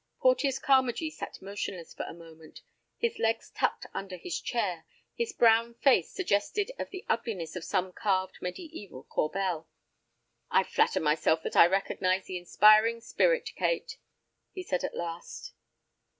Porteus Carmagee sat motionless for a moment, his legs tucked under his chair, his brown face suggestive of the ugliness of some carved mediæval corbel. "I flatter myself that I recognize the inspiring spirit, Kate," he said, at last.